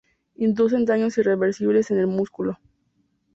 Inducen daños irreversibles en el músculo.